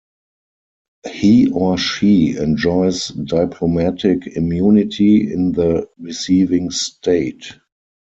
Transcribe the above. He or she enjoys diplomatic immunity in the receiving State.